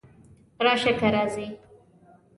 راشه! که راځې!